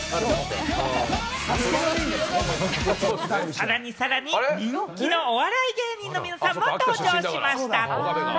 さらにさらに人気のお笑い芸人の皆さんも登場しました。